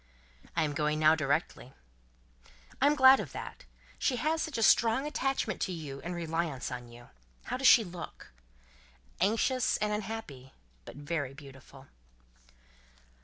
"I am going now, directly." "I am glad of that. She has such a strong attachment to you and reliance on you. How does she look?" "Anxious and unhappy, but very beautiful."